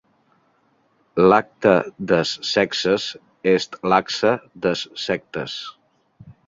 L'acte des sexes est l'axe des sectes.